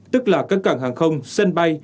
tức là các cảng hàng không sân bay